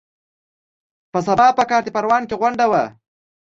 په سبا په کارته پروان کې غونډه وه.